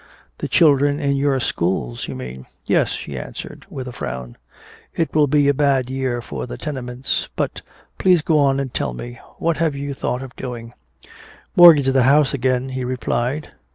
"The children in your schools, you mean." "Yes," she answered with a frown. "It will be a bad year for the tenements. But please go on and tell me. What have you thought of doing?" "Mortgage the house again," he replied.